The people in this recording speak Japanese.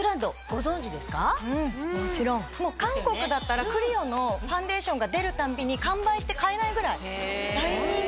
韓国だったらＣＬＩＯのファンデーションが出るたびに完売して買えないぐらい大人気。